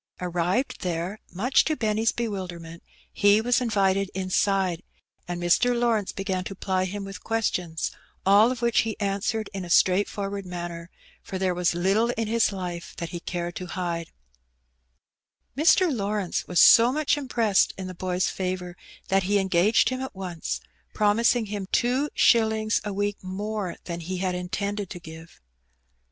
Arrived there, much to Benny's bewilderment, he was invited inside, and Mr, Lawrence began to ply him with questions, all of which he answered in a straightforward manner, for there was little in his life that he cared to hide, Mr. Lawrence was so much impressed in the boy's favour that he engaged him at once, promising him two shillings a week more than he had intended to give.